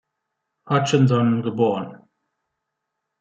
Hutchinson geboren.